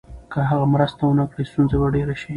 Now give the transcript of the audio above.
که هغه مرسته ونکړي، ستونزه به ډېره شي.